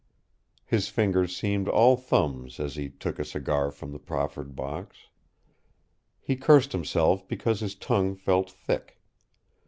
His fingers seemed all thumbs as he took a cigar from the proffered box. He cursed himself because his tongue felt thick.